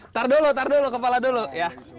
ntar dulu ntar dulu kepala dulu ya